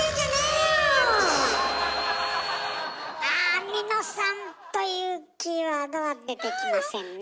アミノ酸というキーワードは出てきませんねえ。